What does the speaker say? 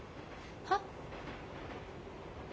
はっ？